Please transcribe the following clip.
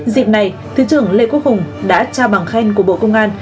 dịp này thứ trưởng lê quốc hùng đã trao bằng khen của bộ công an